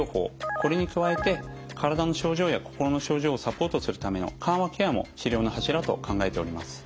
これに加えて体の症状や心の症状をサポートするための緩和ケアも治療の柱と考えております。